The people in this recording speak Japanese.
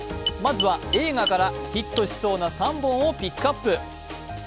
まずは映画からヒットしそうな３本をピックアップ。